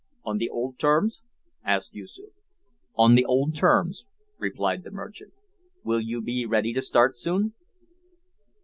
"On the old terms?" asked Yoosoof. "On the old terms," replied the merchant. "Will you be ready to start soon?"